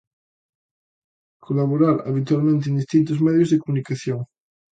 Colabora habitualmente en distintos medios de comunicación.